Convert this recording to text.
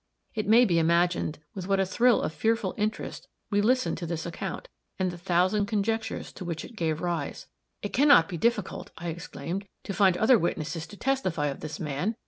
It may be imagined with what a thrill of fearful interest we listened to this account, and the thousand conjectures to which it gave rise. "It can not be difficult," I exclaimed, "to find other witnesses to testify of this man."